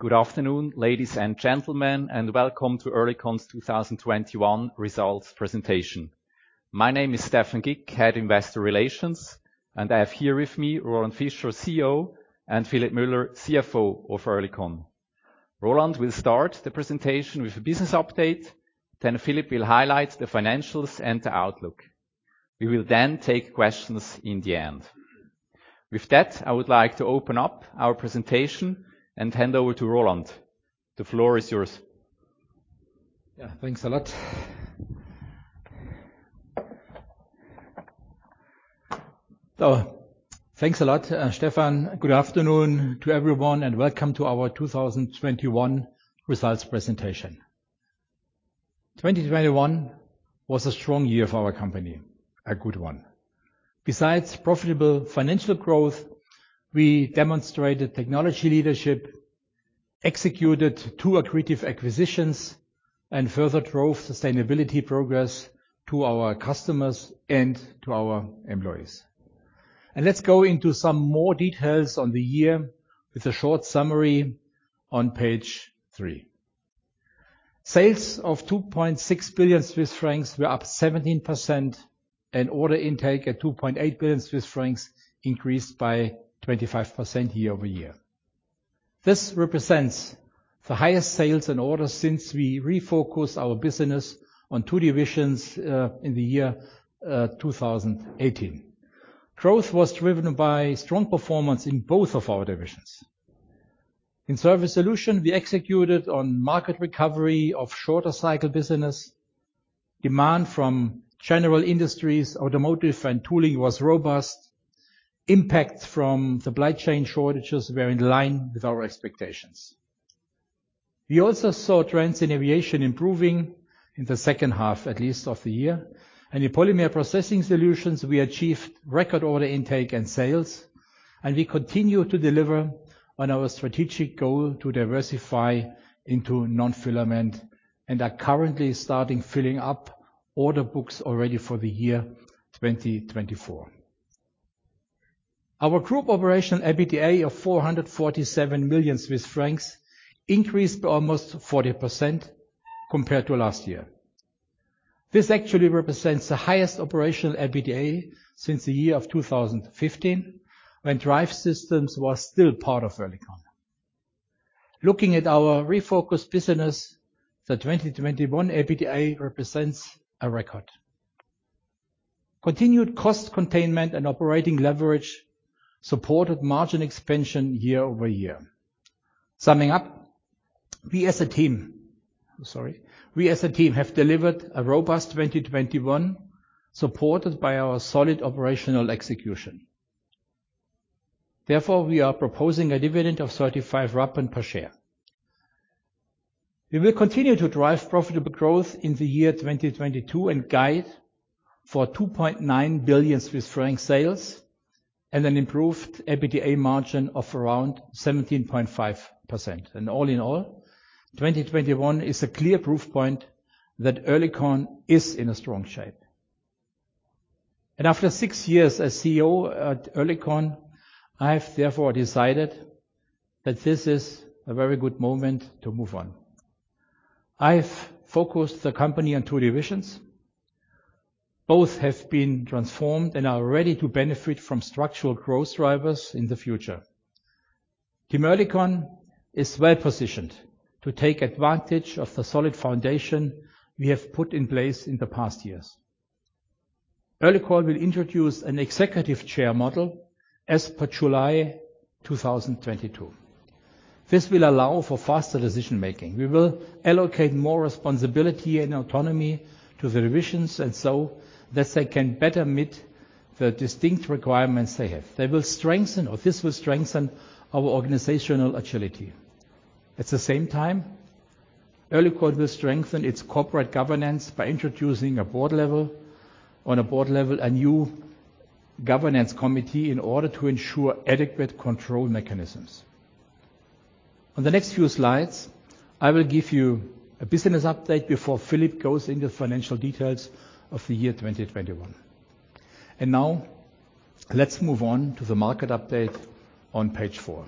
Good afternoon, ladies and gentlemen, and welcome to Oerlikon's 2021 results presentation. My name is Stephan Gick, Head Investor Relations, and I have here with me Roland Fischer, CEO, and Philipp Müller, CFO of Oerlikon. Roland will start the presentation with a business update, then Philipp will highlight the financials and the outlook. We will then take questions in the end. With that, I would like to open up our presentation and hand over to Roland. The floor is yours. Thanks a lot, Stephan. Good afternoon to everyone, and welcome to our 2021 results presentation. 2021 was a strong year for our company, a good one. Besides profitable financial growth, we demonstrated technology leadership, executed two accretive acquisitions, and further drove sustainability progress to our customers and to our employees. Let's go into some more details on the year with a short summary on page three. Sales of 2.6 billion Swiss francs were up 17% and order intake at 2.8 billion Swiss francs increased by 25% year-over-year. This represents the highest sales and orders since we refocused our business on two divisions in the year 2018. Growth was driven by strong performance in both of our divisions. In Surface Solutions, we executed on market recovery of shorter cycle business. Demand from general industries, automotive, and tooling was robust. Impact from supply chain shortages were in line with our expectations. We also saw trends in aviation improving in the second half, at least of the year. In Polymer Processing Solutions, we achieved record order intake and sales, and we continue to deliver on our strategic goal to diversify into non-filament, and are currently starting filling up order books already for the year 2024. Our group operational EBITDA of 447 million Swiss francs increased by almost 40% compared to last year. This actually represents the highest operational EBITDA since the year of 2015, when Drive Systems was still part of Oerlikon. Looking at our refocused business, the 2021 EBITDA represents a record. Continued cost containment and operating leverage supported margin expansion year-over-year. Summing up, we as a team have delivered a robust 2021, supported by our solid operational execution. Therefore, we are proposing a dividend of CHF 0.35 per share. We will continue to drive profitable growth in the year 2022 and guide for 2.9 billion Swiss franc sales, and an improved EBITDA margin of around 17.5%. All in all, 2021 is a clear proof point that Oerlikon is in a strong shape. After six years as CEO at Oerlikon, I have therefore decided that this is a very good moment to move on. I've focused the company on two divisions. Both have been transformed and are ready to benefit from structural growth drivers in the future. Team Oerlikon is well-positioned to take advantage of the solid foundation we have put in place in the past years. Oerlikon will introduce an executive chair model as per July 2022. This will allow for faster decision-making. We will allocate more responsibility and autonomy to the divisions and so that they can better meet the distinct requirements they have. They will strengthen, or this will strengthen our organizational agility. At the same time, Oerlikon will strengthen its corporate governance by introducing on a board level, a new governance committee in order to ensure adequate control mechanisms. On the next few slides, I will give you a business update before Philipp goes into financial details of the year 2021. Now, let's move on to the market update on page four.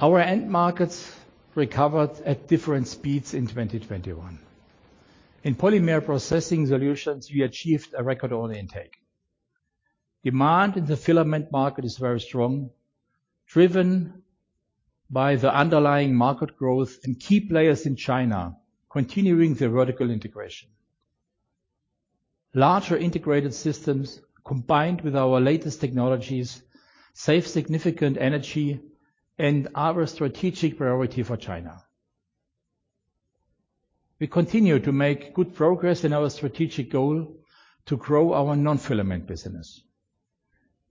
Our end markets recovered at different speeds in 2021. In Polymer Processing Solutions, we achieved a record order intake. Demand in the filament market is very strong, driven by the underlying market growth and key players in China continuing their vertical integration. Larger integrated systems, combined with our latest technologies, save significant energy and are a strategic priority for China. We continue to make good progress in our strategic goal to grow our non-filament business.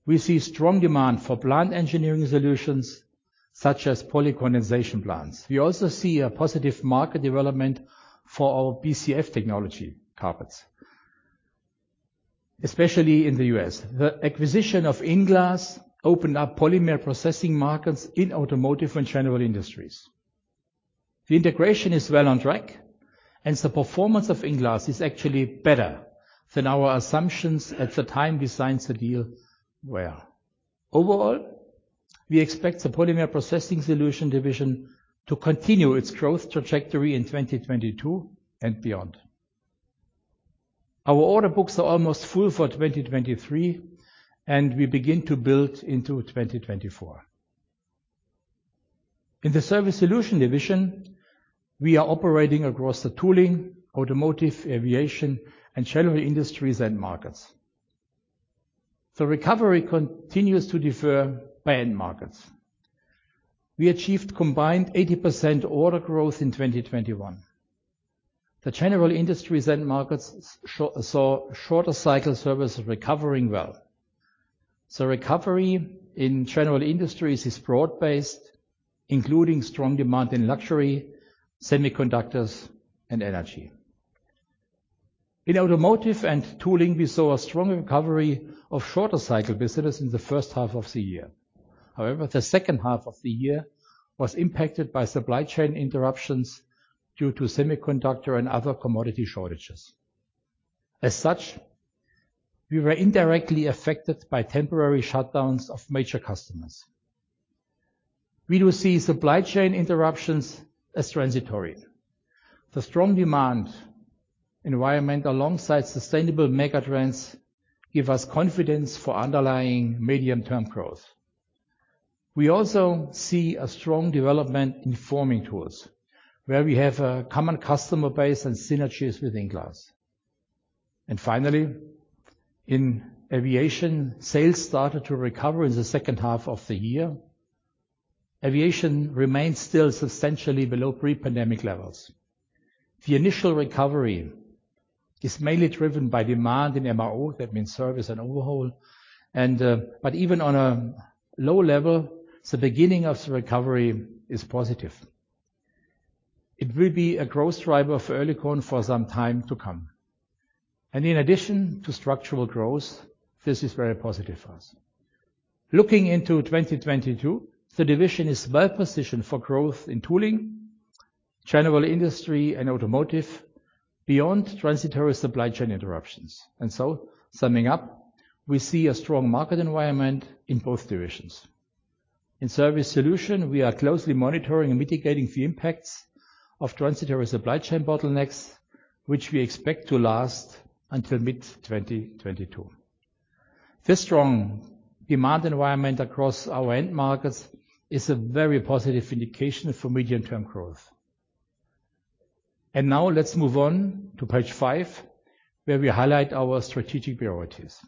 We see strong demand for plant engineering solutions, such as polycondensation plants. We also see a positive market development for our BCF technology carpets, especially in the U.S. The acquisition of INglass opened up polymer processing markets in automotive and general industries. The integration is well on track, and the performance of INglass is actually better than our assumptions at the time we signed the deal well. Overall, we expect the Polymer Processing Solutions division to continue its growth trajectory in 2022 and beyond. Our order books are almost full for 2023, and we begin to build into 2024. In the Surface Solutions division, we are operating across the tooling, automotive, aviation, and general industries end markets. The recovery continues to differ by end markets. We achieved combined 80% order growth in 2021. The general industries end markets saw shorter-cycle services recovering well. Recovery in general industries is broad-based, including strong demand in luxury, semiconductors, and energy. In automotive and tooling, we saw a strong recovery of shorter-cycle business in the first half of the year. However, the second half of the year was impacted by supply chain interruptions due to semiconductor and other commodity shortages. As such, we were indirectly affected by temporary shutdowns of major customers. We do see supply chain interruptions as transitory. The strong demand environment alongside sustainable megatrends give us confidence for underlying medium-term growth. We also see a strong development in forming tools, where we have a common customer base and synergies with INglass. Finally, in aviation, sales started to recover in the second half of the year. Aviation remains still substantially below pre-pandemic levels. The initial recovery is mainly driven by demand in MRO, that means service and overhaul, but even on a low level, the beginning of the recovery is positive. It will be a growth driver for Oerlikon for some time to come. In addition to structural growth, this is very positive for us. Looking into 2022, the division is well-positioned for growth in tooling, general industry, and automotive beyond transitory supply chain interruptions. Summing up, we see a strong market environment in both divisions. In Surface Solutions, we are closely monitoring and mitigating the impacts of transitory supply chain bottlenecks, which we expect to last until mid-2022. This strong demand environment across our end markets is a very positive indication for medium-term growth. Now let's move on to page five, where we highlight our strategic priorities.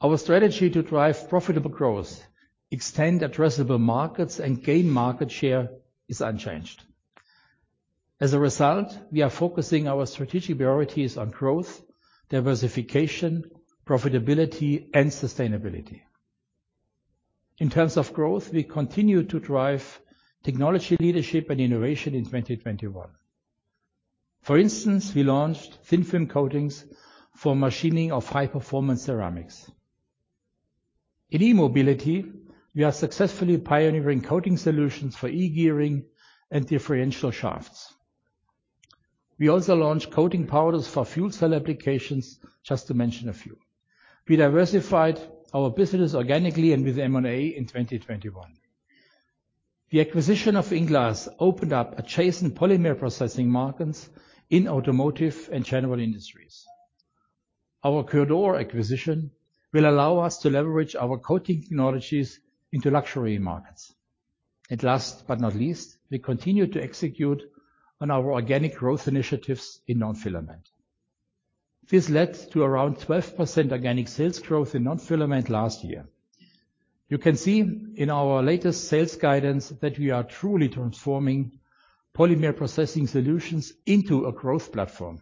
Our strategy to drive profitable growth, extend addressable markets, and gain market share is unchanged. As a result, we are focusing our strategic priorities on growth, diversification, profitability, and sustainability. In terms of growth, we continue to drive technology leadership and innovation in 2021. For instance, we launched thin film coatings for machining of high-performance ceramics. In e-mobility, we are successfully pioneering coating solutions for e-gearing and differential shafts. We also launched coating powders for fuel cell applications, just to mention a few. We diversified our business organically and with M&A in 2021. The acquisition of INglass opened up adjacent polymer processing markets in automotive and general industries. Our Coeurdor acquisition will allow us to leverage our coating technologies into luxury markets. Last but not least, we continue to execute on our organic growth initiatives in nonwoven. This led to around 12% organic sales growth in nonwoven last year. You can see in our latest sales guidance that we are truly transforming Polymer Processing Solutions into a growth platform.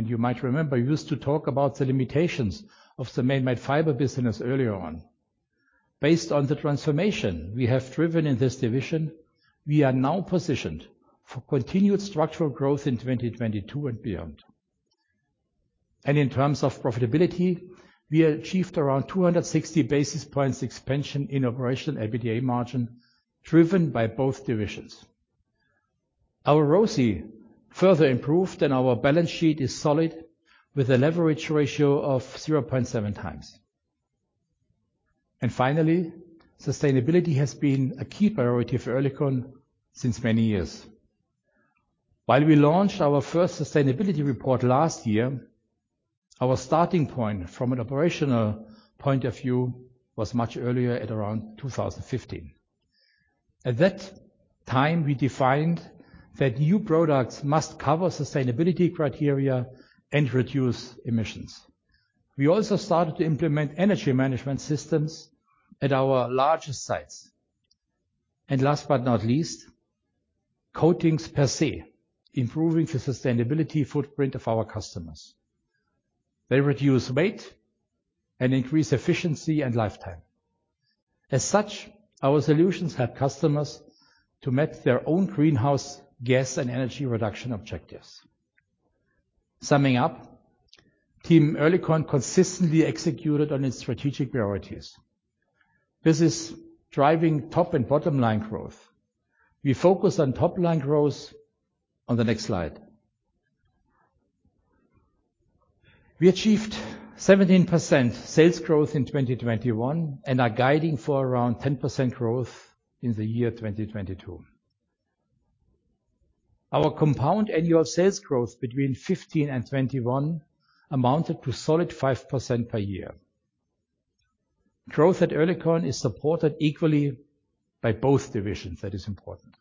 You might remember, we used to talk about the limitations of the man-made fiber business earlier on. Based on the transformation we have driven in this division, we are now positioned for continued structural growth in 2022 and beyond. In terms of profitability, we achieved around 260 basis points expansion in operational EBITDA margin, driven by both divisions. Our ROCE further improved, and our balance sheet is solid, with a leverage ratio of 0.7x. Finally, sustainability has been a key priority for Oerlikon since many years. While we launched our first sustainability report last year, our starting point from an operational point of view was much earlier at around 2015. At that time, we defined that new products must cover sustainability criteria and reduce emissions. We also started to implement energy management systems at our largest sites. Last but not least, coatings per se, improving the sustainability footprint of our customers. They reduce weight and increase efficiency and lifetime. As such, our solutions help customers to meet their own greenhouse gas and energy reduction objectives. Summing up, Team Oerlikon consistently executed on its strategic priorities. This is driving top and bottom line growth. We focus on top line growth on the next slide. We achieved 17% sales growth in 2021, and are guiding for around 10% growth in the year 2022. Our compound annual sales growth between 2015 and 2021 amounted to solid 5% per year. Growth at Oerlikon is supported equally by both divisions. That is important.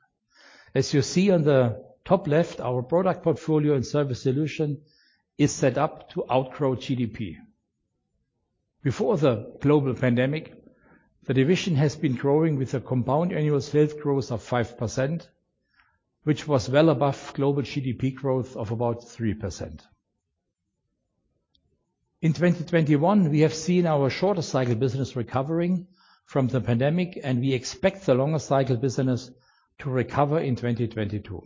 As you see on the top left, our product portfolio and service solution is set up to outgrow GDP. Before the global pandemic, the division has been growing with a compound annual sales growth of 5%, which was well above global GDP growth of about 3%. In 2021, we have seen our shorter cycle business recovering from the pandemic, and we expect the longer cycle business to recover in 2022.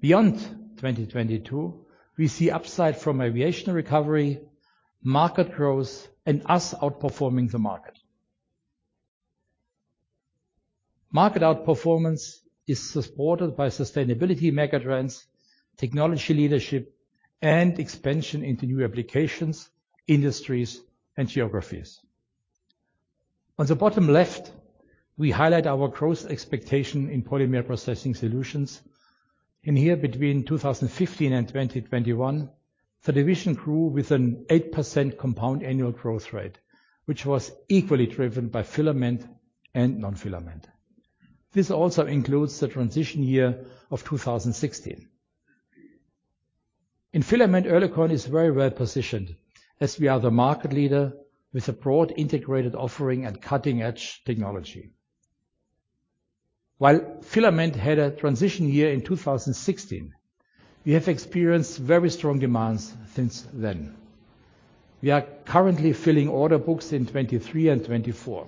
Beyond 2022, we see upside from aviation recovery, market growth, and us outperforming the market. Market outperformance is supported by sustainability megatrends, technology leadership and expansion into new applications, industries and geographies. On the bottom left, we highlight our growth expectation in Polymer Processing Solutions. In here, between 2015 and 2021, the division grew with an 8% compound annual growth rate, which was equally driven by filament and non-filament. This also includes the transition year of 2016. In filament, Oerlikon is very well positioned as we are the market leader with a broad integrated offering and cutting-edge technology. While filament had a transition year in 2016, we have experienced very strong demands since then. We are currently filling order books in 2023 and 2024.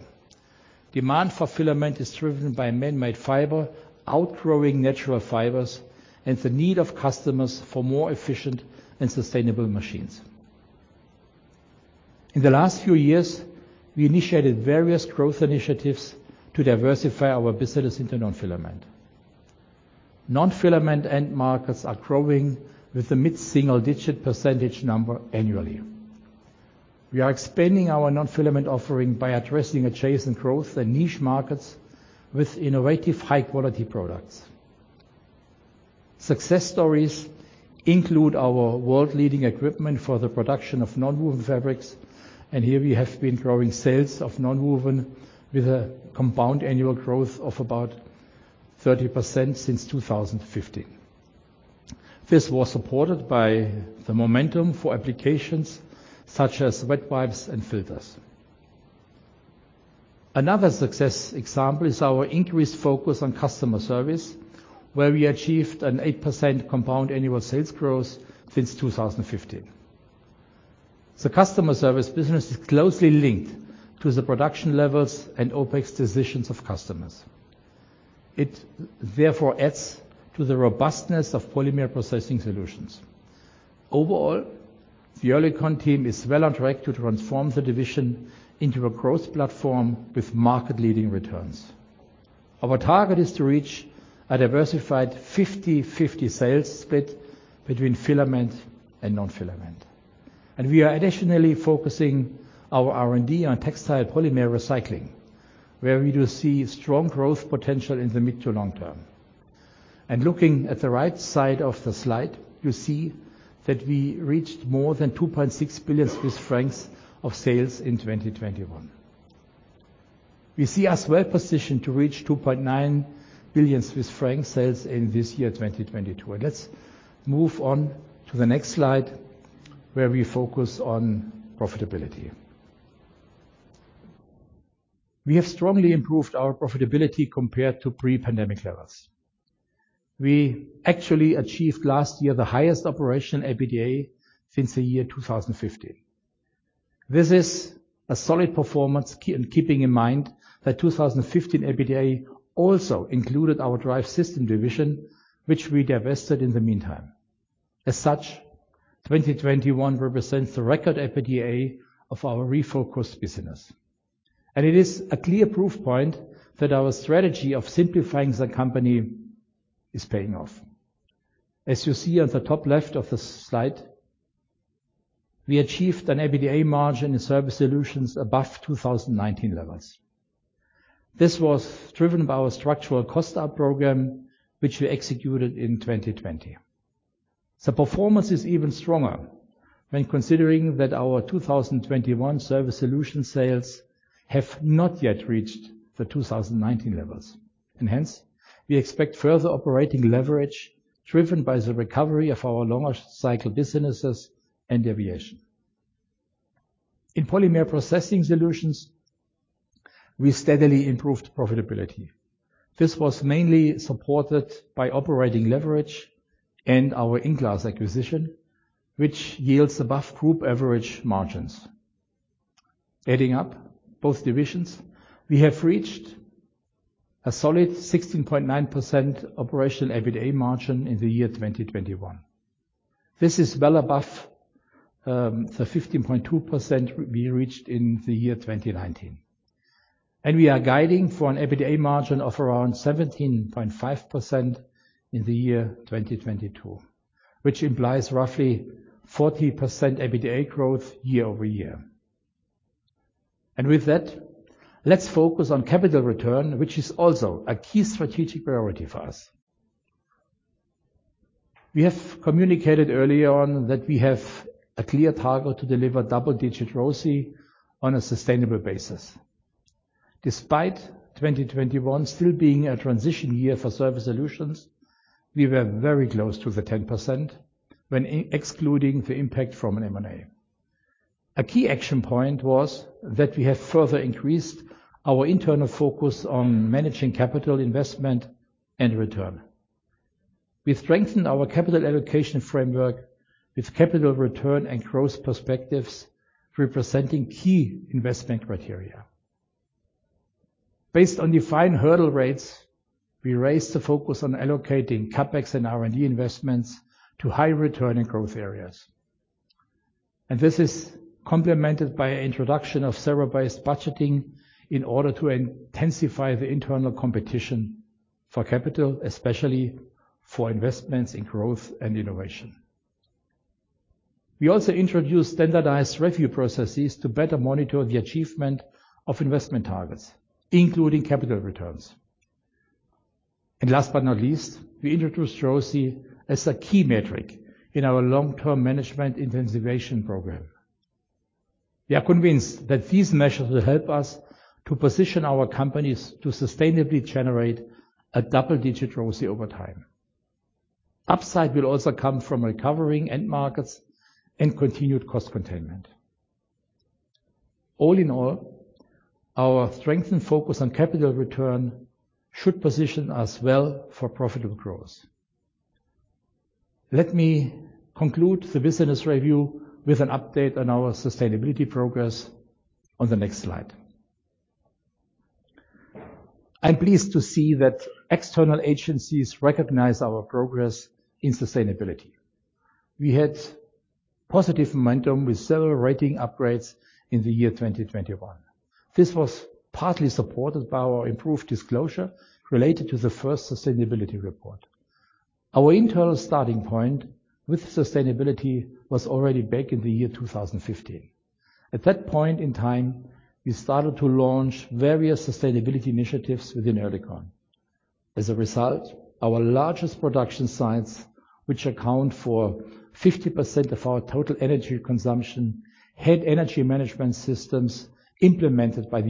Demand for filament is driven by man-made fiber outgrowing natural fibers and the need of customers for more efficient and sustainable machines. In the last few years, we initiated various growth initiatives to diversify our business into non-filament. Non-filament end markets are growing with a mid-single-digit percentage number annually. We are expanding our non-filament offering by addressing adjacent growth and niche markets with innovative high-quality products. Success stories include our world-leading equipment for the production of nonwoven fabrics, and here we have been growing sales of nonwoven with a compound annual growth of about 30% since 2015. This was supported by the momentum for applications such as wet wipes and filters. Another success example is our increased focus on customer service, where we achieved an 8% compound annual sales growth since 2015. The customer service business is closely linked to the production levels and OpEx decisions of customers. It therefore adds to the robustness of Polymer Processing Solutions. Overall, the Oerlikon team is well on track to transform the division into a growth platform with market-leading returns. Our target is to reach a diversified 50/50 sales split between filament and non-filament. We are additionally focusing our R&D on textile polymer recycling, where we do see strong growth potential in the mid to long-term. Looking at the right side of the slide, you see that we reached more than 2.6 billion Swiss francs of sales in 2021. We see us well positioned to reach 2.9 billion Swiss francs sales in this year, 2022. Let's move on to the next slide where we focus on profitability. We have strongly improved our profitability compared to pre-pandemic levels. We actually achieved last year the highest operating EBITDA since the year 2015. This is a solid performance, keeping in mind that 2015 EBITDA also included our Drive Systems division, which we divested in the meantime. As such, 2021 represents the record EBITDA of our refocused business, and it is a clear proof point that our strategy of simplifying the company is paying off. As you see at the top left of the slide, we achieved an EBITDA margin in Surface Solutions above 2019 levels. This was driven by our structural cost-out program, which we executed in 2020. The performance is even stronger when considering that our 2021 Surface Solutions sales have not yet reached the 2019 levels. Hence, we expect further operating leverage driven by the recovery of our longer cycle businesses and aviation. In Polymer Processing Solutions, we steadily improved profitability. This was mainly supported by operating leverage and our INglass acquisition, which yields above group average margins. Adding up both divisions, we have reached a solid 16.9% operational EBITDA margin in the year 2021. This is well above the 15.2% we reached in the year 2019. We are guiding for an EBITDA margin of around 17.5% in the year 2022, which implies roughly 40% EBITDA growth year-over-year. With that, let's focus on capital return, which is also a key strategic priority for us. We have communicated early on that we have a clear target to deliver double-digit ROCE on a sustainable basis. Despite 2021 still being a transition year for Surface Solutions, we were very close to the 10% when excluding the impact from an M&A. A key action point was that we have further increased our internal focus on managing capital investment and return. We strengthened our capital allocation framework with capital return and growth perspectives representing key investment criteria. Based on defined hurdle rates, we raised the focus on allocating CapEx and R&D investments to high return and growth areas. This is complemented by introduction of zero-based budgeting in order to intensify the internal competition for capital, especially for investments in growth and innovation. We also introduced standardized review processes to better monitor the achievement of investment targets, including capital returns. Last but not least, we introduced ROCE as a key metric in our long-term management incentivization program. We are convinced that these measures will help us to position our companies to sustainably generate a double-digit ROCE over time. Upside will also come from recovering end markets and continued cost containment. All in all, our strengthened focus on capital return should position us well for profitable growth. Let me conclude the business review with an update on our sustainability progress on the next slide. I'm pleased to see that external agencies recognize our progress in sustainability. We had positive momentum with several rating upgrades in the year 2021. This was partly supported by our improved disclosure related to the first sustainability report. Our internal starting point with sustainability was already back in the year 2015. At that point in time, we started to launch various sustainability initiatives within Oerlikon. As a result, our largest production sites, which account for 50% of our total energy consumption, had energy management systems implemented by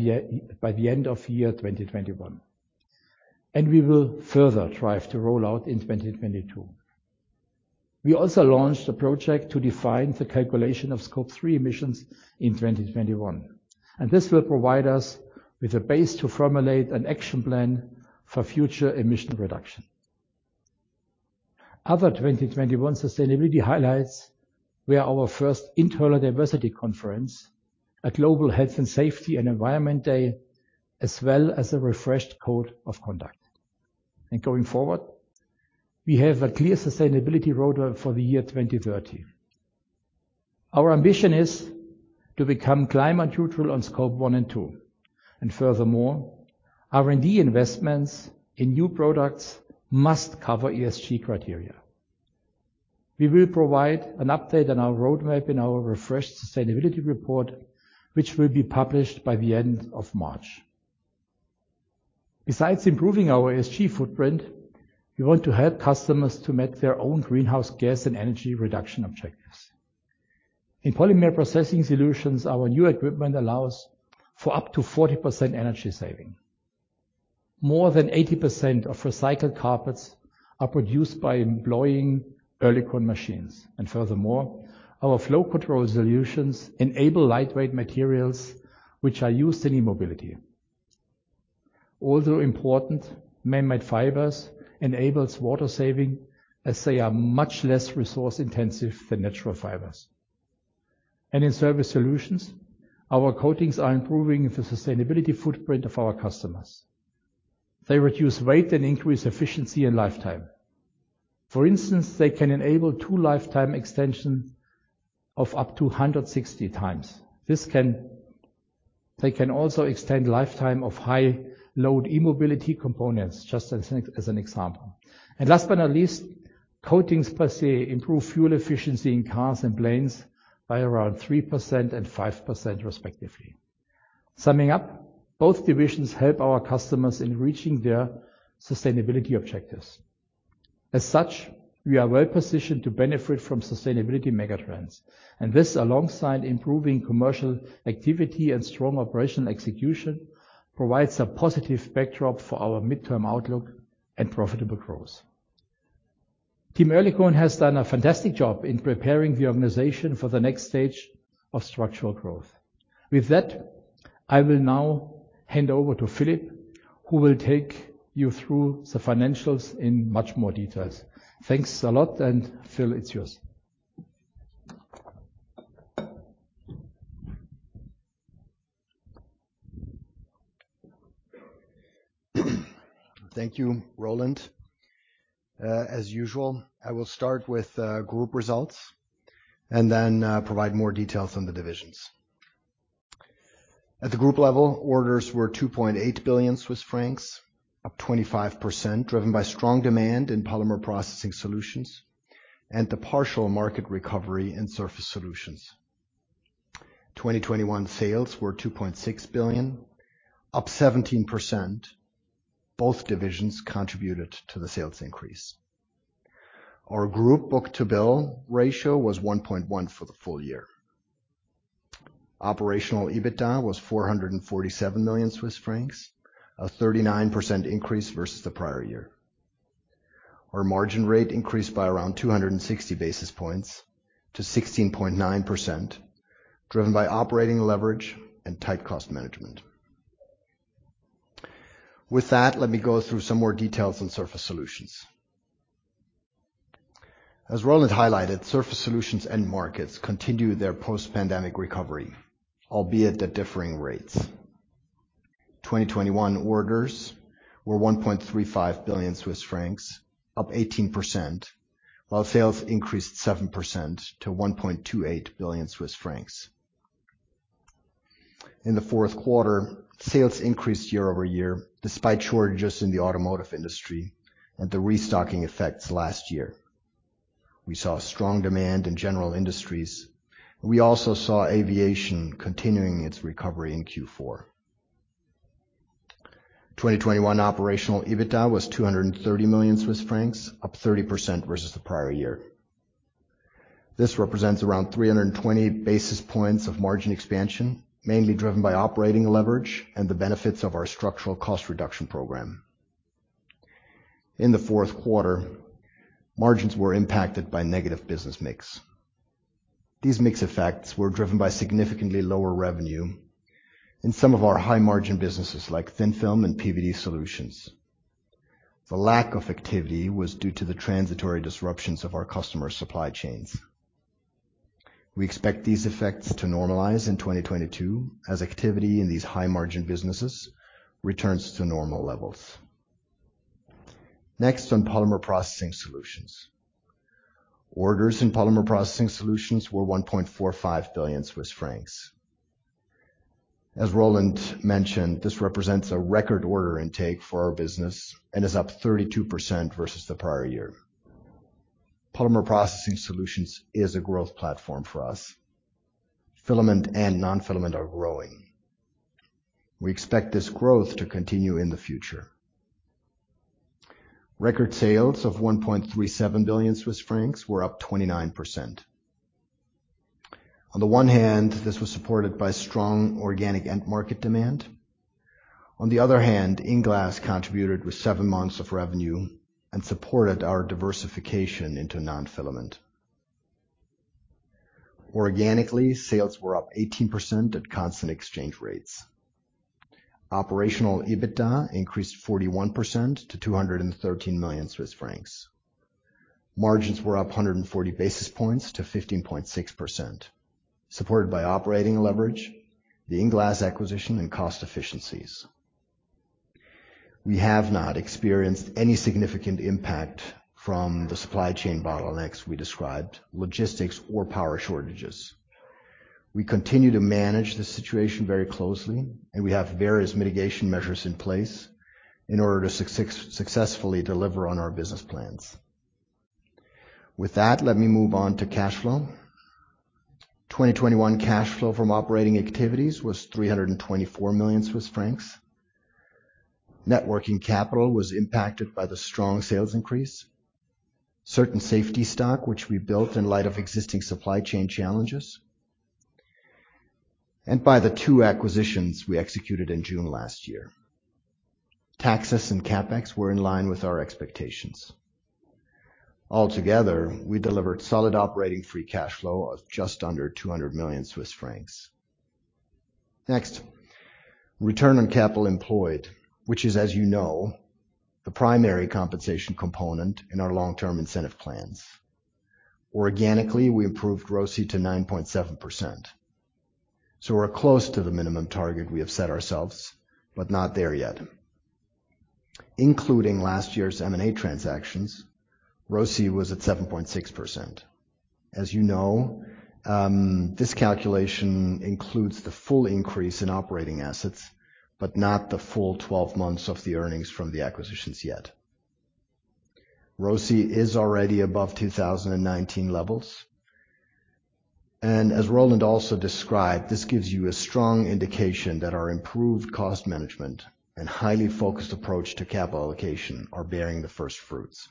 the end of year 2021, and we will further drive to roll out in 2022. We also launched a project to define the calculation of Scope 3 emissions in 2021, and this will provide us with a base to formulate an action plan for future emission reduction. Other 2021 sustainability highlights were our first internal diversity conference, a global health and safety and environment day, as well as a refreshed code of conduct. Going forward, we have a clear sustainability roadmap for the year 2030. Our ambition is to become climate neutral on Scope 1 and 2. Furthermore, R&D investments in new products must cover ESG criteria. We will provide an update on our roadmap in our refreshed sustainability report, which will be published by the end of March. Besides improving our ESG footprint, we want to help customers to meet their own greenhouse gas and energy reduction objectives. In Polymer Processing Solutions, our new equipment allows for up to 40% energy saving. More than 80% of recycled carpets are produced by employing Oerlikon machines. Furthermore, our flow control solutions enable lightweight materials which are used in e-mobility. Also important, man-made fibers enables water saving as they are much less resource intensive than natural fibers. In Surface Solutions, our coatings are improving the sustainability footprint of our customers. They reduce weight and increase efficiency and lifetime. For instance, they can enable tool lifetime extension of up to 160x. They can also extend lifetime of high load e-mobility components, just as an example. Last but not least, coatings per se improve fuel efficiency in cars and planes by around 3% and 5% respectively. Summing up, both divisions help our customers in reaching their sustainability objectives. As such, we are well positioned to benefit from sustainability megatrends. This, alongside improving commercial activity and strong operational execution, provides a positive backdrop for our midterm outlook and profitable growth. Team Oerlikon has done a fantastic job in preparing the organization for the next stage of structural growth. With that, I will now hand over to Philipp, who will take you through the financials in much more detail. Thanks a lot. Phil, it's yours. Thank you, Roland. As usual, I will start with group results and then provide more details on the divisions. At the group level, orders were 2.8 billion Swiss francs, up 25%, driven by strong demand in Polymer Processing Solutions and the partial market recovery in Surface Solutions. 2021 sales were 2.6 billion, up 17%. Both divisions contributed to the sales increase. Our group book-to-bill ratio was 1.1 for the full year. Operational EBITDA was 447 million Swiss francs, a 39% increase versus the prior year. Our margin rate increased by around 260 basis points to 16.9%, driven by operating leverage and tight cost management. With that, let me go through some more details on Surface Solutions. As Roland highlighted, Surface Solutions end markets continued their post-pandemic recovery, albeit at differing rates. 2021 orders were 1.35 billion Swiss francs, up 18%, while sales increased 7% to 1.28 billion Swiss francs. In the fourth quarter, sales increased year-over-year despite shortages in the automotive industry and the restocking effects last year. We saw strong demand in general industries, and we also saw aviation continuing its recovery in Q4. 2021 operational EBITDA was 230 million Swiss francs, up 30% versus the prior year. This represents around 320 basis points of margin expansion, mainly driven by operating leverage and the benefits of our structural cost reduction program. In the fourth quarter, margins were impacted by negative business mix. These mix effects were driven by significantly lower revenue in some of our high-margin businesses like thin film and PVD solutions. The lack of activity was due to the transitory disruptions of our customer supply chains. We expect these effects to normalize in 2022 as activity in these high-margin businesses returns to normal levels. Next, on Polymer Processing Solutions. Orders in Polymer Processing Solutions were 1.45 billion Swiss francs. As Roland mentioned, this represents a record order intake for our business and is up 32% versus the prior year. Polymer Processing Solutions is a growth platform for us. Filament and nonwoven are growing. We expect this growth to continue in the future. Record sales of 1.37 billion Swiss francs were up 29%. On the one hand, this was supported by strong organic end market demand. On the other hand, INglass contributed with seven months of revenue and supported our diversification into non-filament. Organically, sales were up 18% at constant exchange rates. Operational EBITDA increased 41% to 213 million Swiss francs. Margins were up 140 basis points to 15.6%, supported by operating leverage, the INglass acquisition, and cost efficiencies. We have not experienced any significant impact from the supply chain bottlenecks we described, logistics or power shortages. We continue to manage the situation very closely, and we have various mitigation measures in place in order to successfully deliver on our business plans. With that, let me move on to cash flow. 2021 cash flow from operating activities was 324 million Swiss francs. Net working capital was impacted by the strong sales increase. Certain safety stock, which we built in light of existing supply chain challenges, and by the two acquisitions we executed in June last year. Taxes and CapEx were in line with our expectations. Altogether, we delivered solid operating free cash flow of just under 200 million Swiss francs. Next, return on capital employed, which is, as you know, the primary compensation component in our long-term incentive plans. Organically, we improved ROCE to 9.7%, so we're close to the minimum target we have set ourselves, but not there yet. Including last year's M&A transactions, ROCE was at 7.6%. As you know, this calculation includes the full increase in operating assets, but not the full twelve months of the earnings from the acquisitions yet. ROCE is already above 2019 levels. As Roland also described, this gives you a strong indication that our improved cost management and highly focused approach to capital allocation are bearing the first fruits.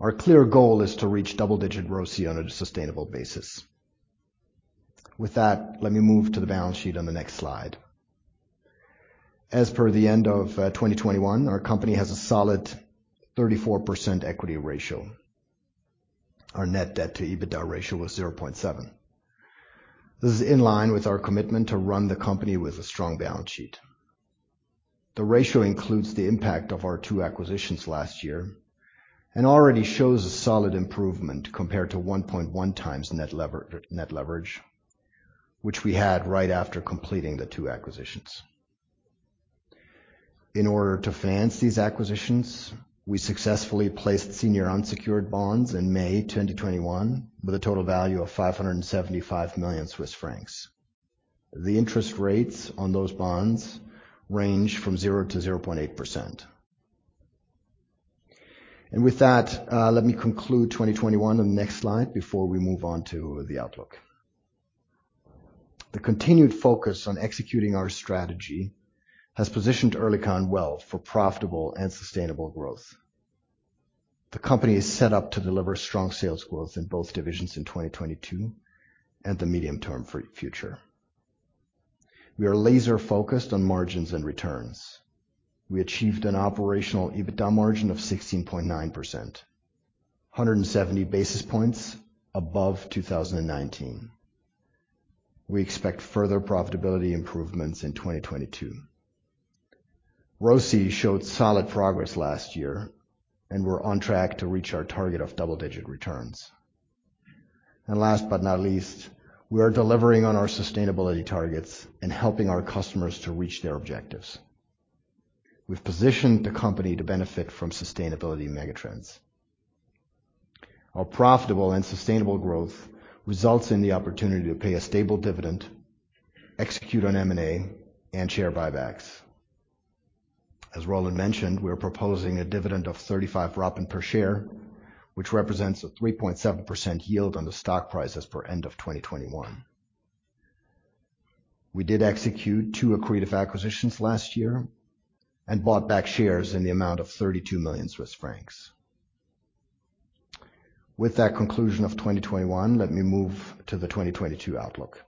Our clear goal is to reach double-digit ROCE on a sustainable basis. With that, let me move to the balance sheet on the next slide. As per the end of 2021, our company has a solid 34% equity ratio. Our net debt to EBITDA ratio was 0.7. This is in line with our commitment to run the company with a strong balance sheet. The ratio includes the impact of our two acquisitions last year, and already shows a solid improvement compared to 1.1x net leverage, which we had right after completing the two acquisitions. In order to finance these acquisitions, we successfully placed senior unsecured bonds in May 2021 with a total value of 575 million Swiss francs. The interest rates on those bonds range from 0%-0.8%. With that, let me conclude 2021 on the next slide before we move on to the outlook. The continued focus on executing our strategy has positioned Oerlikon well for profitable and sustainable growth. The company is set up to deliver strong sales growth in both divisions in 2022 and the medium-term future. We are laser-focused on margins and returns. We achieved an operational EBITDA margin of 16.9%, 170 basis points above 2019. We expect further profitability improvements in 2022. ROCE showed solid progress last year, and we're on track to reach our target of double-digit returns. Last but not least, we are delivering on our sustainability targets and helping our customers to reach their objectives. We've positioned the company to benefit from sustainability megatrends. Our profitable and sustainable growth results in the opportunity to pay a stable dividend, execute on M&A, and share buybacks. As Roland mentioned, we are proposing a dividend of 0.35 per share, which represents a 3.7% yield on the stock price as per end of 2021. We did execute two accretive acquisitions last year and bought back shares in the amount of 32 million Swiss francs. With that conclusion of 2021, let me move to the 2022 outlook.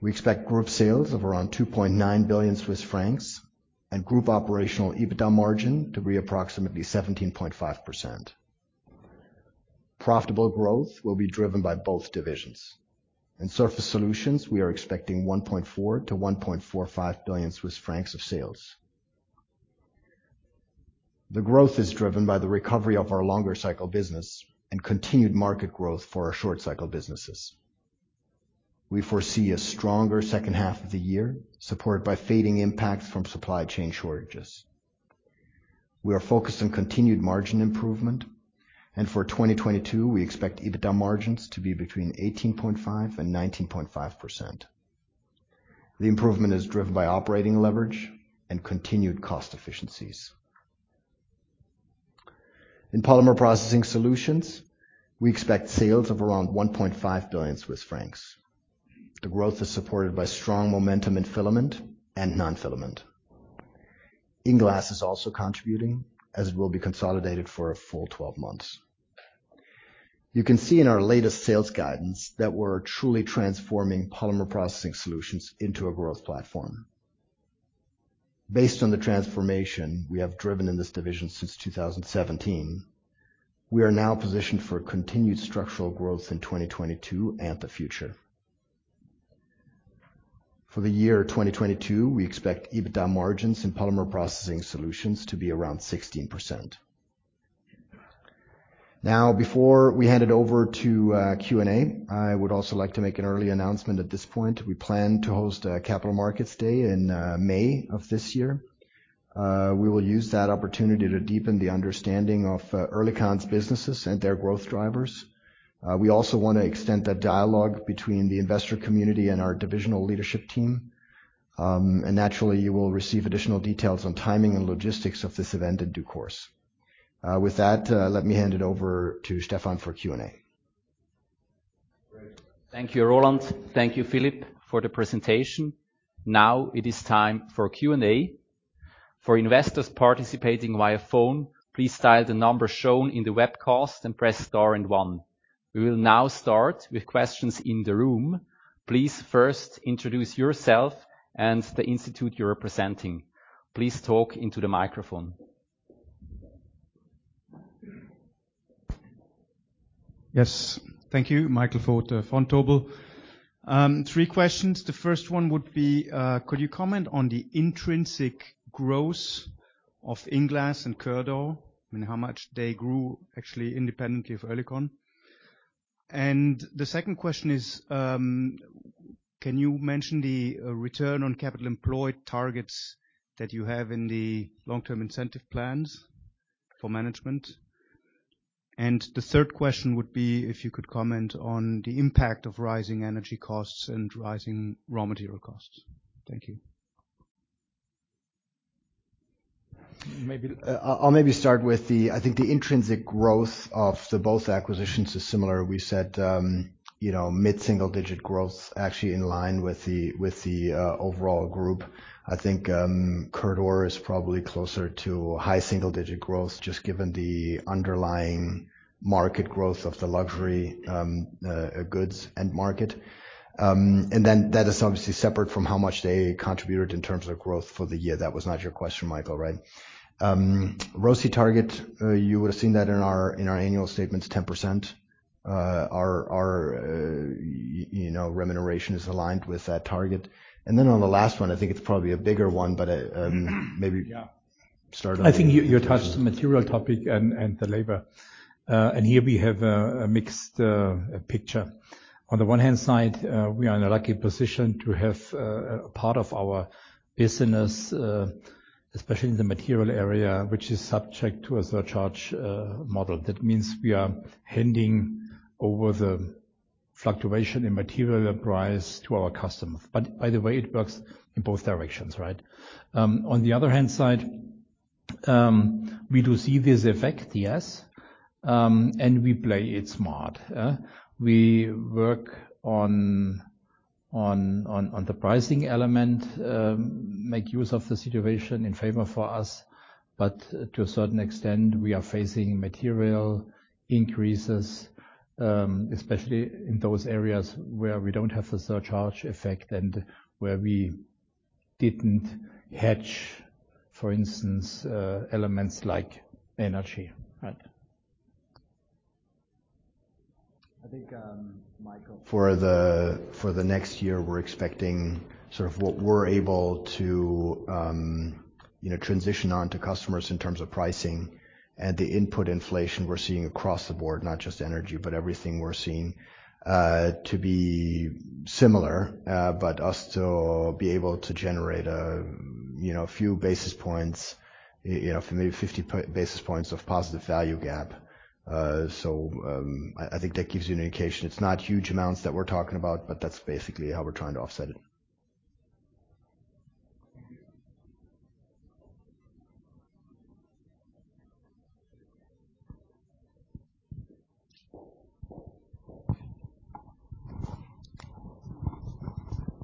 We expect group sales of around 2.9 billion Swiss francs and group operational EBITDA margin to be approximately 17.5%. Profitable growth will be driven by both divisions. In Surface Solutions, we are expecting 1.4 billion-1.45 billion Swiss francs of sales. The growth is driven by the recovery of our longer cycle business and continued market growth for our short cycle businesses. We foresee a stronger second half of the year, supported by fading impacts from supply chain shortages. We are focused on continued margin improvement, and for 2022, we expect EBITDA margins to be between 18.5% and 19.5%. The improvement is driven by operating leverage and continued cost efficiencies. In Polymer Processing Solutions, we expect sales of around 1.5 billion Swiss francs. The growth is supported by strong momentum in filament and non-filament. INglass is also contributing as it will be consolidated for a full 12 months. You can see in our latest sales guidance that we're truly transforming Polymer Processing Solutions into a growth platform. Based on the transformation we have driven in this division since 2017, we are now positioned for continued structural growth in 2022 and the future. For the year 2022, we expect EBITDA margins in Polymer Processing Solutions to be around 16%. Now before we hand it over to Q&A, I would also like to make an early announcement at this point. We plan to host a Capital Markets Day in May of this year. We will use that opportunity to deepen the understanding of Oerlikon's businesses and their growth drivers. We also wanna extend that dialogue between the investor community and our divisional leadership team. Naturally, you will receive additional details on timing and logistics of this event in due course. With that, let me hand it over to Stephan for Q&A. Thank you, Roland. Thank you, Philipp, for the presentation. Now it is time for Q&A. For investors participating via phone, please dial the number shown in the webcast and press star and one. We will now start with questions in the room. Please first introduce yourself and the institute you're representing. Please talk into the microphone. Yes. Thank you. Michael Vogt, Vontobel. Three questions. The first one would be, could you comment on the intrinsic growth of INglass and Coeurdor? I mean, how much they grew actually independently of Oerlikon. The second question is, can you mention the return on capital employed targets that you have in the long-term incentive plans for management? The third question would be if you could comment on the impact of rising energy costs and rising raw material costs. Thank you. Maybe I'll start with, I think the intrinsic growth of both acquisitions is similar. We said, you know, mid-single digit growth actually in line with the overall group. I think Coeurdor is probably closer to high single digit growth just given the underlying market growth of the luxury goods end market. That is obviously separate from how much they contributed in terms of growth for the year. That was not your question, Michael, right? ROCE target, you would have seen that in our annual statements, 10%. Our you know, remuneration is aligned with that target. Then on the last one, I think it's probably a bigger one, but maybe. Yeah. Start on the- I think you touched the material topic and the labor. Here we have a mixed picture. On the one hand side, we are in a lucky position to have part of our business, especially in the material area, which is subject to a surcharge model. That means we are handing over the fluctuation in material price to our customers. By the way, it works in both directions, right? On the other hand side, we do see this effect, yes, and we play it smart. We work on the pricing element, make use of the situation in favor for us. To a certain extent, we are facing material increases, especially in those areas where we don't have the surcharge effect and where we didn't hedge, for instance, elements like energy. Right. I think, Michael. For the next year, we're expecting sort of what we're able to, you know, transition on to customers in terms of pricing and the input inflation we're seeing across the board, not just energy, but everything we're seeing, to be similar, but us to be able to generate a, you know, few basis points, you know, maybe 50 basis points of positive value gap. So, I think that gives you an indication. It's not huge amounts that we're talking about, but that's basically how we're trying to offset it.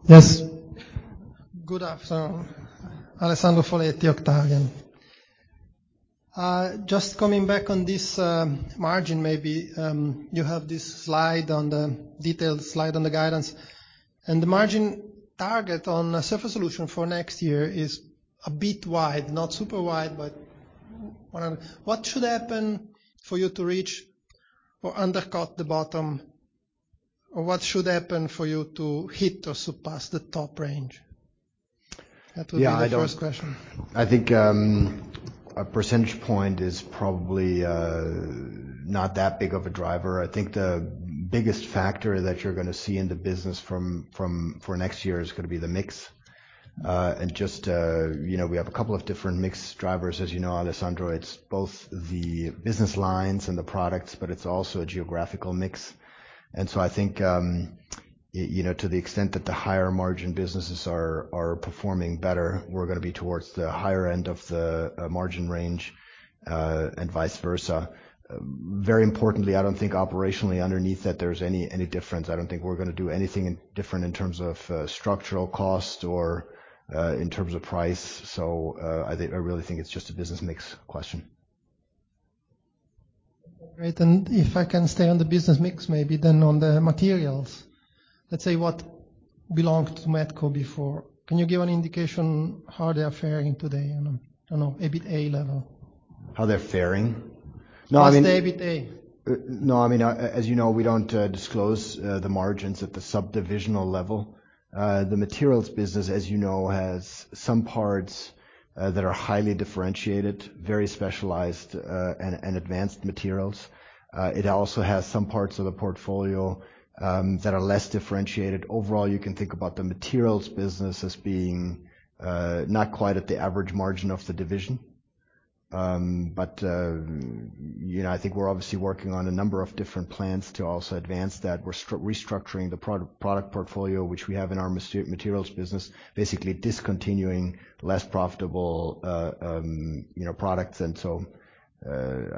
Yes. Good afternoon. Alessandro Foletti, Octavian. Just coming back on this margin, maybe you have this detailed slide on the guidance. The margin target on Surface Solutions for next year is a bit wide, not super wide. What should happen for you to reach or undercut the bottom? What should happen for you to hit or surpass the top range? That would be the first question. Yeah, I don't think a percentage point is probably not that big of a driver. I think the biggest factor that you're gonna see in the business from for next year is gonna be the mix. Just you know, we have a couple of different mix drivers. As you know, Alessandro, it's both the business lines and the products, but it's also a geographical mix. I think you know, to the extent that the higher margin businesses are performing better, we're gonna be towards the higher end of the margin range, and vice versa. Very importantly, I don't think operationally underneath that there's any difference. I don't think we're gonna do anything different in terms of structural cost or in terms of price. I really think it's just a business mix question. Great. If I can stay on the business mix, maybe then on the materials. Let's say what belonged to Metco before. Can you give an indication how they are faring today on an EBITA level? How they're faring? No, I mean. Last EBITA. No, I mean, as you know, we don't disclose the margins at the subdivisional level. The materials business, as you know, has some parts that are highly differentiated, very specialized, and advanced materials. It also has some parts of the portfolio that are less differentiated. Overall, you can think about the materials business as being not quite at the average margin of the division. You know, I think we're obviously working on a number of different plans to also advance that. We're restructuring the product portfolio, which we have in our materials business, basically discontinuing less profitable, you know, products. I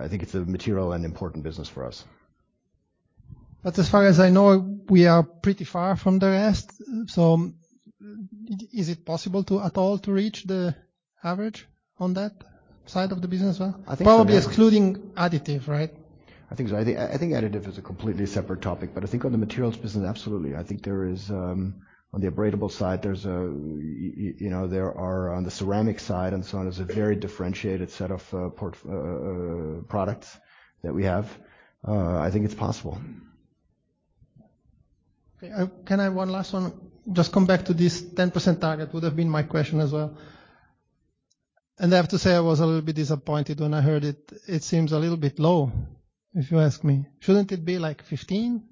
think it's a material and important business for us. As far as I know, we are pretty far from the rest. Is it possible to, at all, to reach the average on that side of the business? I think Probably excluding additive, right? I think so. I think additive is a completely separate topic. I think on the materials business, absolutely. I think there is on the abradable side, there's you know, there are on the ceramic side and so on, there's a very differentiated set of products that we have. I think it's possible. Okay. Can I have one last one? Just come back to this 10% target would have been my question as well. I have to say I was a little bit disappointed when I heard it. It seems a little bit low, if you ask me. Shouldn't it be like 15%?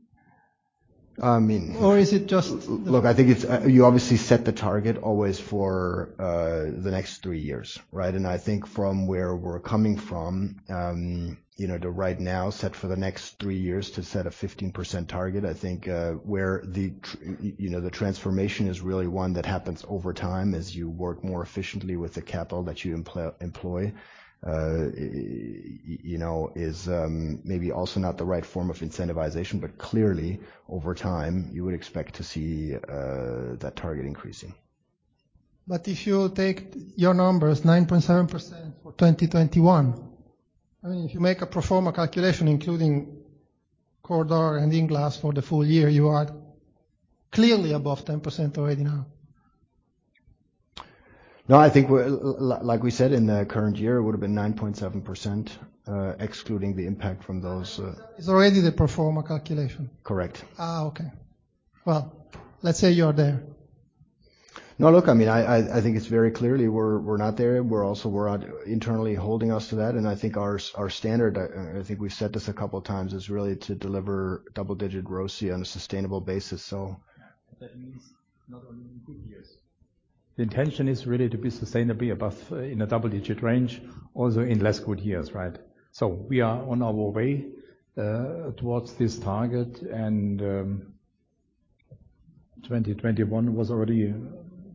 I mean. Is it just? Look, I think it's, you obviously set the target always for the next three years, right? I think from where we're coming from, you know, to right now, set for the next three years to set a 15% target, I think, where, you know, the transformation is really one that happens over time as you work more efficiently with the capital that you employ. You know, maybe also not the right form of incentivization, but clearly, over time, you would expect to see that target increasing. If you take your numbers, 9.7% for 2021, I mean, if you make a pro forma calculation including Coeurdor and INglass for the full year, you are clearly above 10% already now. No, I think like we said, in the current year, it would have been 9.7%, excluding the impact from those. It's already the pro forma calculation. Correct. Okay. Well, let's say you are there. No, look, I mean, I think it's very clear we're not there. We're also working internally holding us to that, and I think our standard, I think we've said this a couple times, is really to deliver double-digit ROCE on a sustainable basis, so. That means not only in good years. The intention is really to be sustainably above in a double-digit range, also in less good years, right? We are on our way towards this target and 2021 was already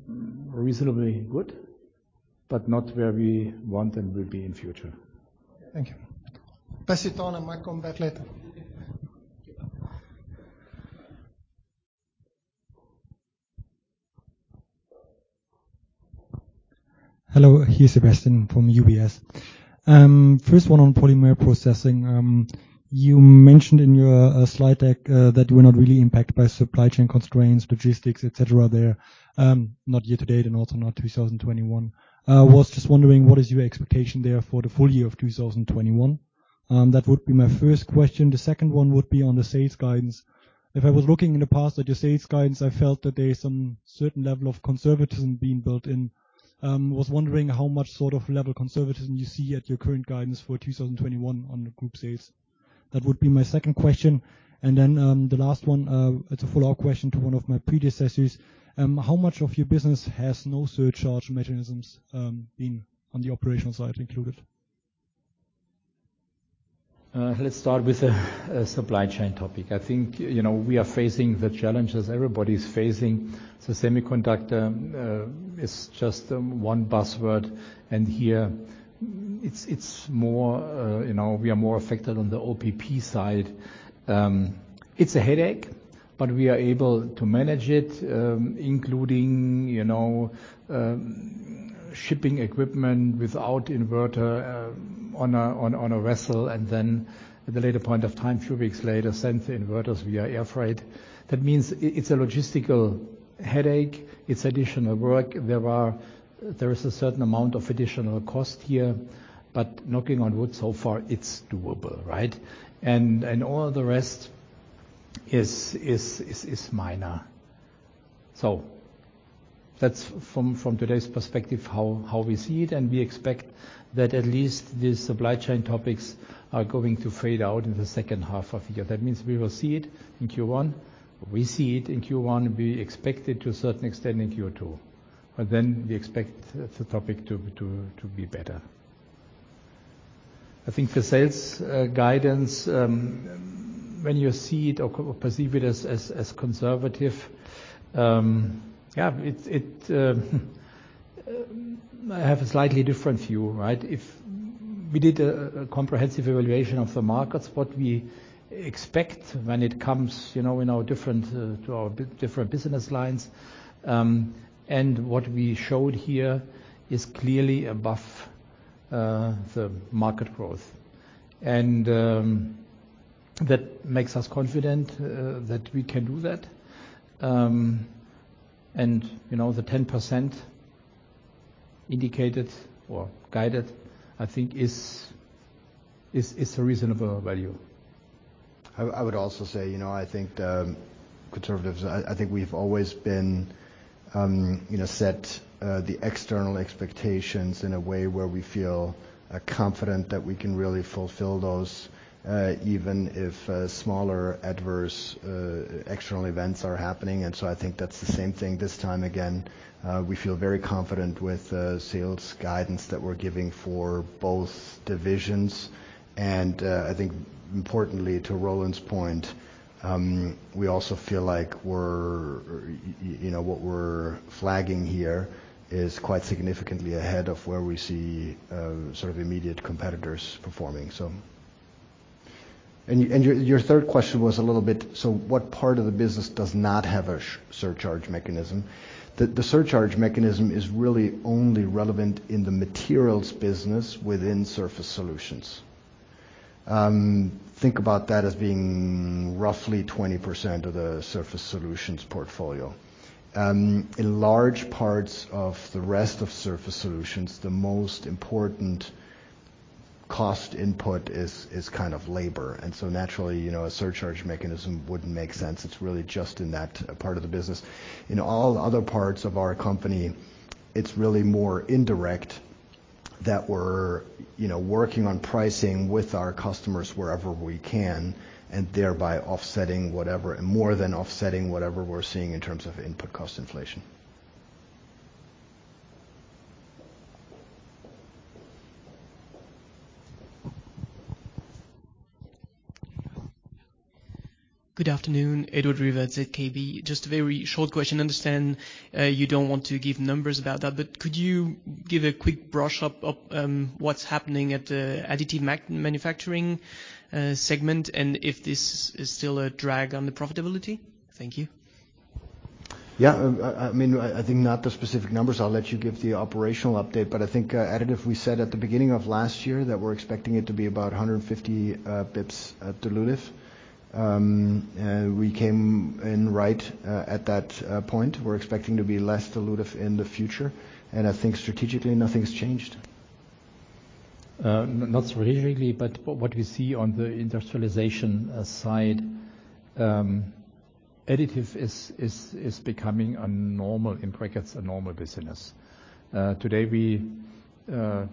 reasonably good, but not where we want and will be in future. Thank you. Pass it on. I might come back later. Hello. Here's Sebastian from UBS. First one on polymer processing. You mentioned in your slide deck that we're not really impacted by supply chain constraints, logistics, et cetera there, not year to date and also not 2021. Was just wondering what is your expectation there for the full year of 2021? That would be my first question. The second one would be on the sales guidance. If I was looking in the past at your sales guidance, I felt that there is some certain level of conservatism being built in. Was wondering how much sort of level conservatism you see at your current guidance for 2021 on the group sales. That would be my second question. Then, the last one, it's a follow-up question to one of my predecessors. How much of your business has no surcharge mechanisms, being on the operational side included? Let's start with the supply chain topic. I think, you know, we are facing the challenges everybody's facing. The semiconductor is just one buzzword, and here it's more, you know, we are more affected on the OPP side. It's a headache, but we are able to manage it, including, you know, shipping equipment without inverter on a vessel and then at a later point of time, few weeks later, send the inverters via air freight. That means it's a logistical headache. It's additional work. There is a certain amount of additional cost here, but knocking on wood so far, it's doable, right? All the rest is minor. That's from today's perspective, how we see it, and we expect that at least the supply chain topics are going to fade out in the second half of the year. That means we will see it in Q1. We see it in Q1. We expect it to a certain extent in Q2. Then we expect the topic to be better. I think the sales guidance, when you see it or perceive it as conservative, I have a slightly different view, right? If we did a comprehensive evaluation of the markets, what we expect when it comes, you know, in our different business lines, and what we showed here is clearly above the market growth. That makes us confident that we can do that. You know, the 10% indicated or guided I think is a reasonable value. I would also say, you know, I think the conservatives, I think we've always been, you know, set the external expectations in a way where we feel confident that we can really fulfill those, even if smaller adverse external events are happening. I think that's the same thing this time again. We feel very confident with the sales guidance that we're giving for both divisions. I think importantly to Roland's point, we also feel like we're, you know, what we're flagging here is quite significantly ahead of where we see sort of immediate competitors performing. Your third question was a little bit, so what part of the business does not have a surcharge mechanism? The surcharge mechanism is really only relevant in the materials business within Surface Solutions. Think about that as being roughly 20% of the Surface Solutions portfolio. In large parts of the rest of Surface Solutions, the most important cost input is kind of labor. Naturally, you know, a surcharge mechanism wouldn't make sense. It's really just in that part of the business. In all other parts of our company, it's really more indirect that we're, you know, working on pricing with our customers wherever we can and thereby offsetting whatever and more than offsetting whatever we're seeing in terms of input cost inflation. Good afternoon. Edward River at ZKB. Just a very short question. I understand you don't want to give numbers about that, but could you give a quick brush up of what's happening at the additive manufacturing segment, and if this is still a drag on the profitability? Thank you. Yeah. I mean, I think not the specific numbers. I'll let you give the operational update. I think additive, we said at the beginning of last year that we're expecting it to be about 150 basis points dilutive. We came in right at that point. We're expecting to be less dilutive in the future. I think strategically nothing's changed. Not strategically, but what we see on the industrialization side, additive is becoming a normal, in brackets, a normal business. Today we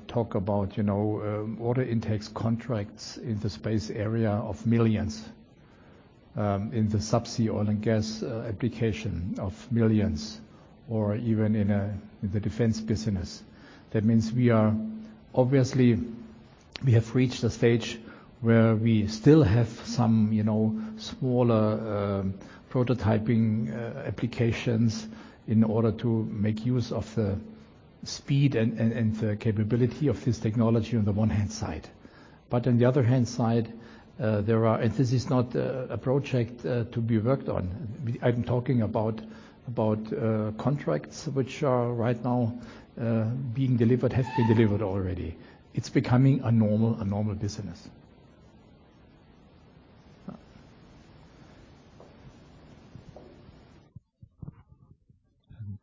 talk about, you know, order intakes contracts in the space area of millions, in the subsea oil and gas application of millions or even in the defense business. That means obviously we have reached a stage where we still have some, you know, smaller prototyping applications in order to make use of the speed and the capability of this technology on the one hand side. But on the other hand side, there are. This is not a project to be worked on. I'm talking about contracts which are right now being delivered, have been delivered already. It's becoming a normal business.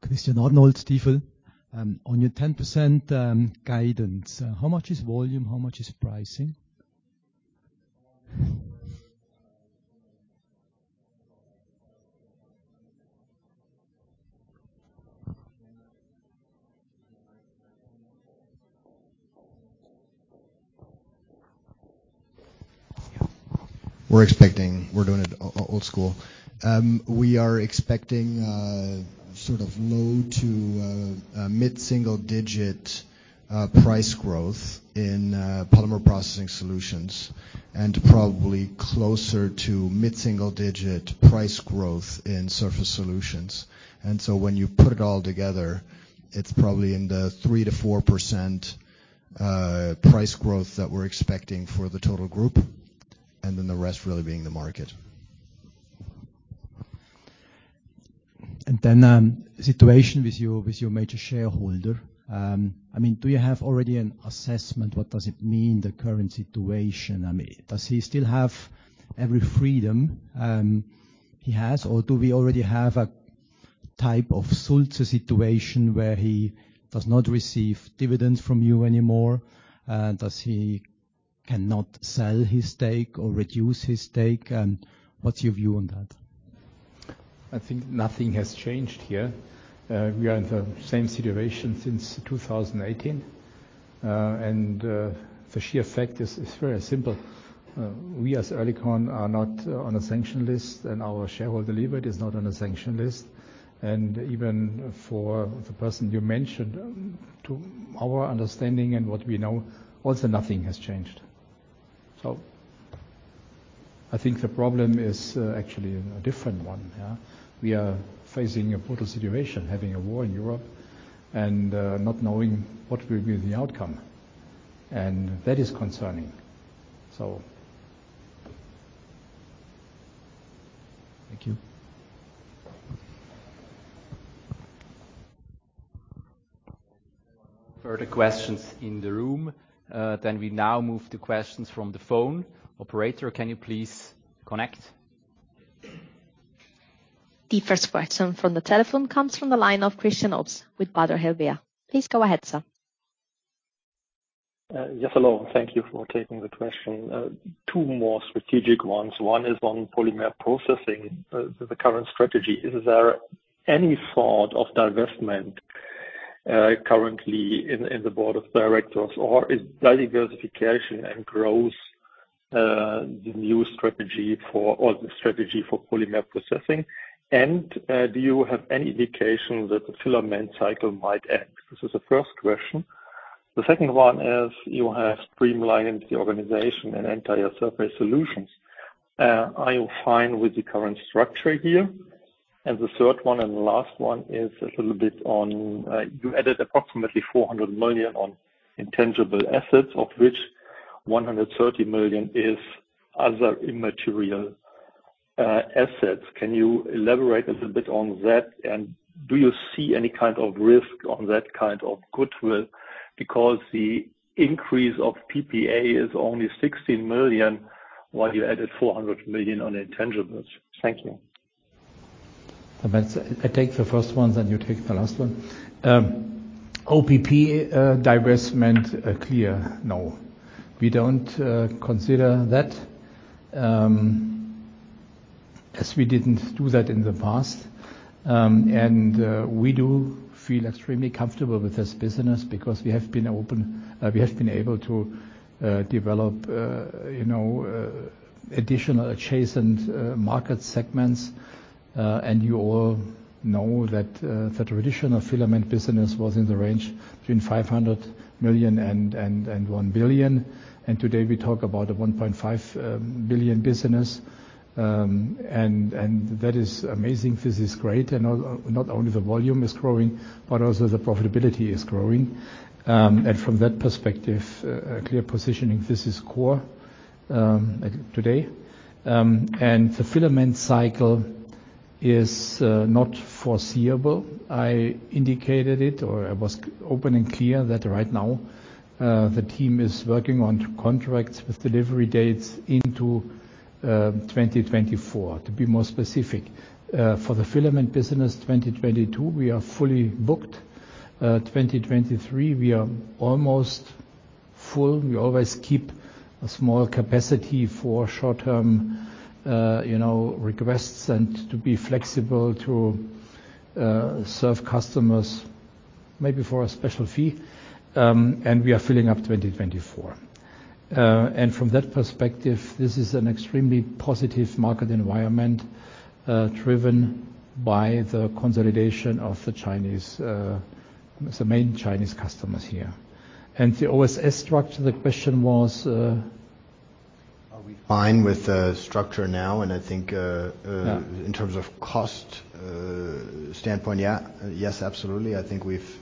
Christian Arnold, Stifel. On your 10% guidance, how much is volume? How much is pricing? We're doing it old school. We are expecting sort of low to mid-single digit price growth in Polymer Processing Solutions, and probably closer to mid-single digit price growth in Surface Solutions. When you put it all together, it's probably in the 3%-4% price growth that we're expecting for the total group, and then the rest really being the market. Situation with your major shareholder. I mean, do you have already an assessment? What does it mean, the current situation? I mean, does he still have every freedom he has? Or do we already have a type of Sulzer situation where he does not receive dividends from you anymore? Does he cannot sell his stake or reduce his stake? What's your view on that? I think nothing has changed here. We are in the same situation since 2018. The sheer fact is very simple. We as Oerlikon are not on a sanction list, and our shareholder, Liwet, is not on a sanction list. Even for the person you mentioned, to our understanding and what we know, also nothing has changed. I think the problem is actually a different one. Yeah. We are facing a brutal situation, having a war in Europe and not knowing what will be the outcome. That is concerning. Thank you. Further questions in the room, then we now move to questions from the phone. Operator, can you please connect? The first question from the telephone comes from the line of Christian Obst with Baader Helvea. Please go ahead, sir. Yes, hello. Thank you for taking the question. Two more strategic ones. One is on polymer processing, the current strategy. Is there any thought of divestment currently in the Board of Directors? Or is diversification and growth the new strategy for, or the strategy for polymer processing? Do you have any indication that the filament cycle might end? This is the first question. The second one is you have streamlined the organization and the entire Surface Solutions. Are you fine with the current structure here? The third one and the last one is a little bit on you added approximately 400 million on intangible assets, of which 130 million is other intangible assets. Can you elaborate a little bit on that? Do you see any kind of risk on that kind of goodwill? Because the increase of PPA is only 16 million, while you added 400 million on intangibles. Thank you. I take the first one, then you take the last one. OPP divestment, a clear no. We don't consider that as we didn't do that in the past. We do feel extremely comfortable with this business because we have been able to develop you know additional adjacent market segments. You all know that the traditional filament business was in the range between 500 million and 1 billion. Today we talk about a 1.5 billion business and that is amazing. This is great. Not only the volume is growing, but also the profitability is growing. From that perspective, a clear positioning, this is core today. The filament cycle is not foreseeable. I indicated it, or I was open and clear that right now, the team is working on contracts with delivery dates into 2024. To be more specific, for the filament business, 2022, we are fully booked. 2023, we are almost full. We always keep a small capacity for short-term, you know, requests and to be flexible to serve customers maybe for a special fee. We are filling up 2024. From that perspective, this is an extremely positive market environment, driven by the consolidation of the Chinese, the main Chinese customers here. The OSS structure, the question was, Are we fine with the structure now? I think. Yeah. From a cost standpoint, yeah. Yes, absolutely. I think we've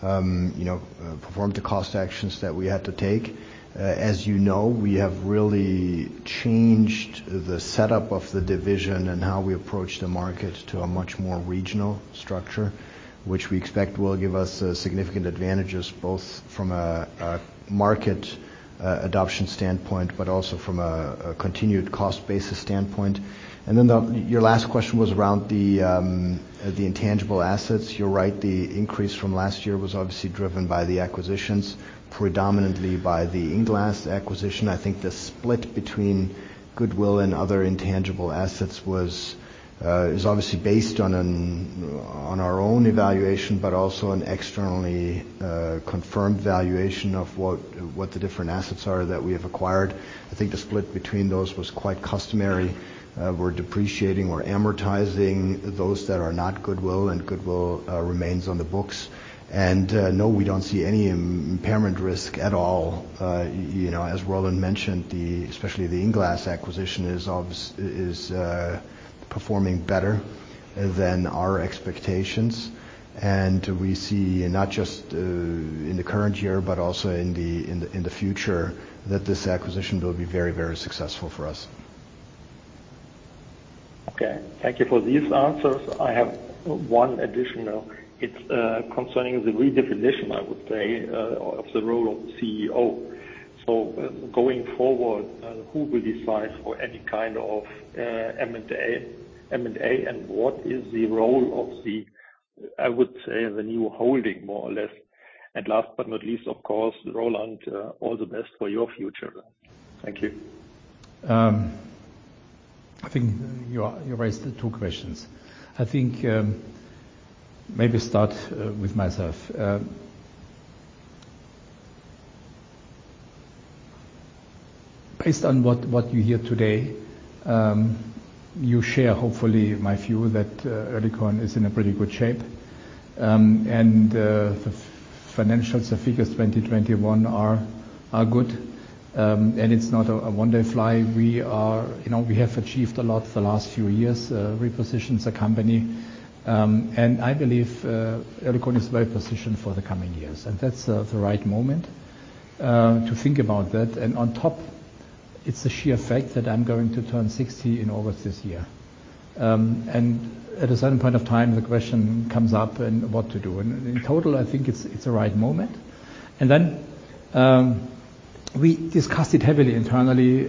performed the cost actions that we had to take. As you know, we have really changed the setup of the division and how we approach the market to a much more regional structure, which we expect will give us significant advantages both from a market adoption standpoint, but also from a continued cost basis standpoint. Your last question was around the intangible assets. You're right, the increase from last year was obviously driven by the acquisitions, predominantly by the INglass acquisition. I think the split between goodwill and other intangible assets is obviously based on our own evaluation but also a externally confirmed valuation of what the different assets are that we have acquired. I think the split between those was quite customary. We're depreciating, we're amortizing those that are not goodwill, and goodwill remains on the books. No, we don't see any impairment risk at all. You know, as Roland mentioned, especially the INglass acquisition is performing better than our expectations. We see not just in the current year but also in the future that this acquisition will be very, very successful for us. Okay. Thank you for these answers. I have one additional. It's concerning the redefinition, I would say, of the role of CEO. Going forward, who will decide for any kind of M&A, and what is the role of the, I would say, the new holding more or less? Last but not least, of course, Roland, all the best for your future. Thank you. I think you raised two questions. I think maybe start with myself. Based on what you hear today, you share hopefully my view that Oerlikon is in a pretty good shape. The financials, the figures 2021 are good. It's not a one-day fly. You know, we have achieved a lot the last few years, repositioned the company. I believe Oerlikon is well-positioned for the coming years, and that's the right moment to think about that. On top, it's the sheer fact that I'm going to turn 60 in August this year. At a certain point of time, the question comes up and what to do. In total, I think it's the right moment. We discussed it heavily internally,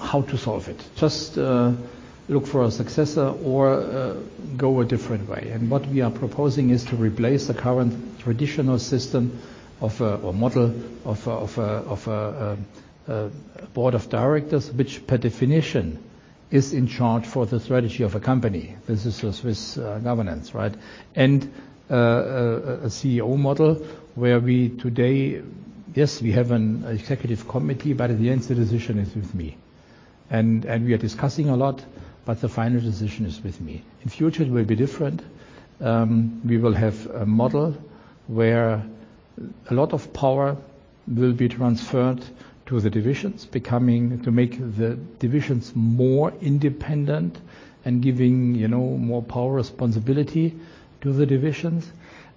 how to solve it. Just look for a successor or go a different way. What we are proposing is to replace the current traditional system or model of a board of directors, which by definition is in charge of the strategy of a company. This is a Swiss governance, right? A CEO model where we today, yes, we have an executive committee, but in the end, the decision is with me. We are discussing a lot, but the final decision is with me. In future, it will be different. We will have a model where a lot of power will be transferred to the divisions to make the divisions more independent and giving, you know, more power and responsibility to the divisions.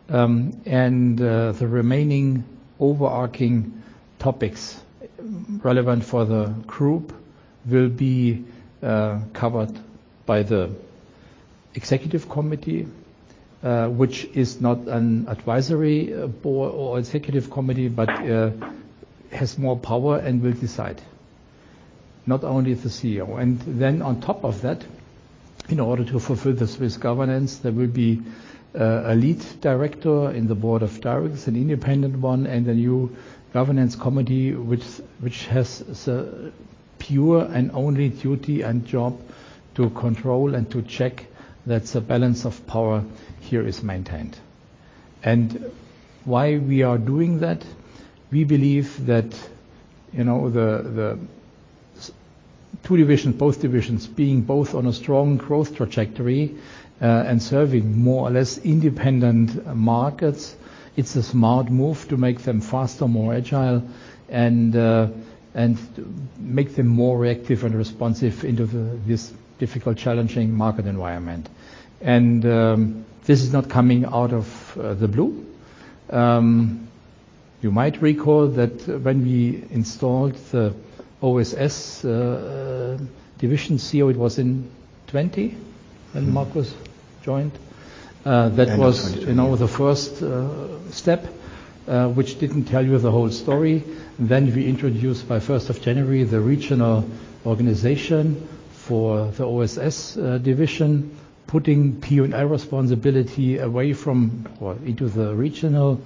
The remaining overarching topics relevant for the group will be covered by the executive committee, which is not an advisory board or executive committee, but has more power and will decide, not only the CEO. On top of that, in order to fulfill the Swiss governance, there will be a lead director in the board of directors, an independent one, and a new governance committee which has the pure and only duty and job to control and to check that the balance of power here is maintained. Why we are doing that? We believe that, you know, the two divisions, both divisions being on a strong growth trajectory, and serving more or less independent markets, it's a smart move to make them faster, more agile, and make them more reactive and responsive into this difficult challenging market environment. This is not coming out of the blue. You might recall that when we installed the OSS division CEO, it was in 2020 when Mark was joined. That was End of 2020, yeah. You know, the first step which didn't tell you the whole story. Then we introduced by first of January the regional organization for the OSS division, putting P&L responsibility away from or into the regional,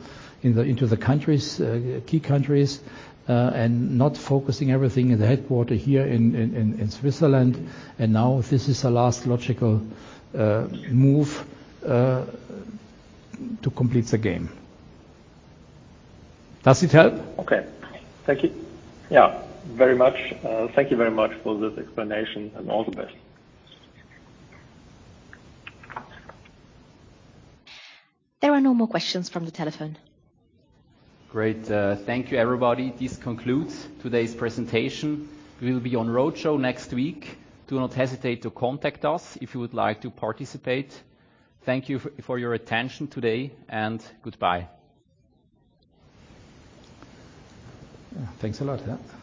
into the countries, key countries, and not focusing everything in the headquarters here in Switzerland. Now this is the last logical move to complete the game. Does it help? Okay. Thank you. Yeah, very much. Thank you very much for this explanation and all the best. There are no more questions from the telephone. Great. Thank you, everybody. This concludes today's presentation. We'll be on roadshow next week. Do not hesitate to contact us if you would like to participate. Thank you for your attention today, and goodbye. Yeah. Thanks a lot. Yeah.